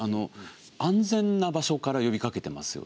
安全な場所から呼びかけてますよね。